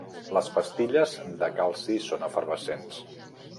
Les pastilles de calci són efervescents.